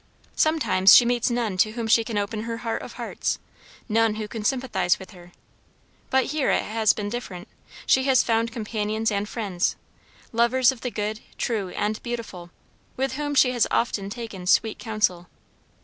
Sometimes she meets none to whom she can open her heart of hearts none who can sympathize with her. But here it has been different. She has found companions and friends lovers of the good, true, and beautiful, with whom she has often taken sweet counsel.